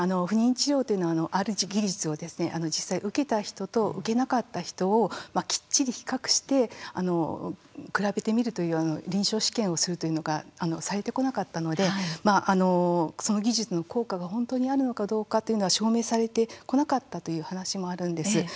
不妊治療っていうのはある技術を実際受けた人と受けなかった人をきっちり比較して比べてみるという臨床試験をするというのがされてこなかったのでその技術の効果が本当にあるのかどうかっていうのが証明されてこなかったという話もあるんです。